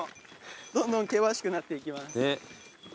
どんどん険しくなっていきます。